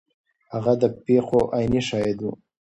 هغه د پیښو عیني شاهد و.